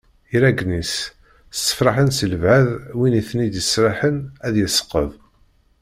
Iraggen-is ssefraḥen si lbaɛd win i ten-id-yesraḥen ad yesqeḍ.